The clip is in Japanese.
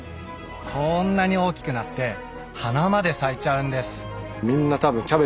こんなに大きくなって花まで咲いちゃうんです。